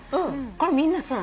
これみんなそう。